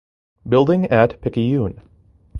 Building at Picayune.